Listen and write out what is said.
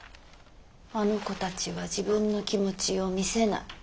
あの子たちは自分の気持ちを見せない。